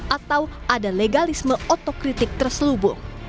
atau ada legalisme otokritik terselubung